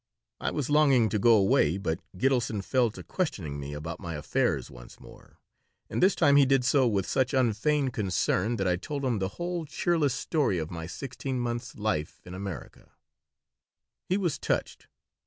I was longing to go away, but Gitelson fell to questioning me about my affairs once more, and this time he did so with such unfeigned concern that I told him the whole cheerless story of my sixteen months' life in America He was touched.